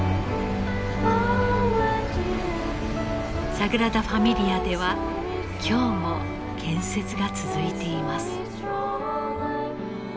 サグラダ・ファミリアでは今日も建設が続いています。